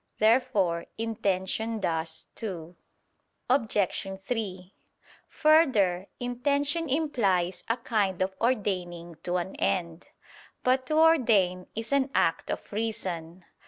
Therefore intention does too. Obj. 3: Further, intention implies a kind of ordaining to an end. But to ordain is an act of reason.